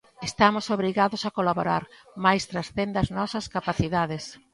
Estamos obrigados a colaborar, mais transcende as nosas capacidades.